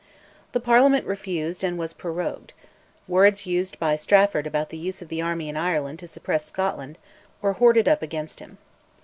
The Parliament refused and was prorogued; words used by Strafford about the use of the army in Ireland to suppress Scotland were hoarded up against him.